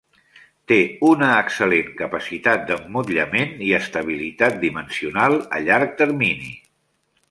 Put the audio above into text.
Té una excel·lent capacitat d'emmotllament i estabilitat dimensional a llarg termini.